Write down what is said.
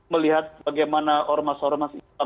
melihat bagaimana orang orang